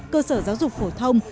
cơ sở giáo dục phổ thông